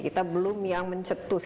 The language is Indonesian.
kita belum yang mencetus